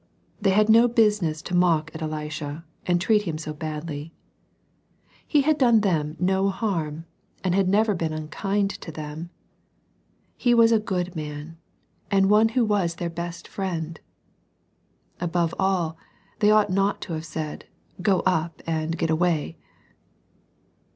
— ^They had no business to mock at Elisha, and treat him so Ifsdljr. He had done them no harm, and had THE TWO BEARS. 5 never been unkind to them. He was a good man, and one who was their best friend. — ^Above all, they ought not to have said, " Go up, and get away."